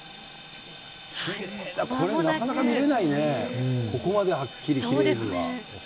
きれいな、これ、なかなか見れないね、ここまではっきりきれいにそうですね。